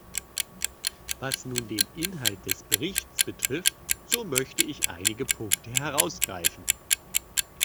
Was nun den Inhalt des Berichts betrifft, so möchte ich einige Punkte herausgreifen.